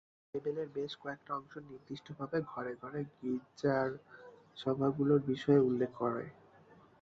বাইবেলের বেশ কয়েকটা অংশ নির্দিষ্টভাবে ঘরে ঘরে গির্জার সভাগুলোর বিষয়ে উল্লেখ করে।